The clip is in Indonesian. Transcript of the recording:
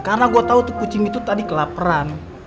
karena gue tau tuh kucing itu tadi kelaperan